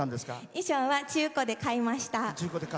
衣装は中古で買いました。